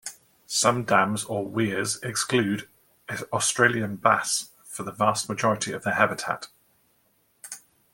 Some dams or weirs exclude Australian bass from the vast majority of their habitat.